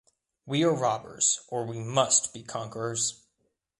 We are robbers, or we "must" be conquerors!